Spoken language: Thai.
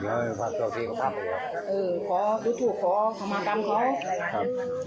เอ่อดูถูกโคนมากรรมครับ